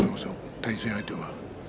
対戦相手は。